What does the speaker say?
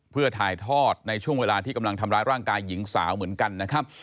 เพื่อถ่ายทอดในช่วงเวลาที่กำลังทำร้ายร่างกายหญิงสาวเหมือนกันนะครับ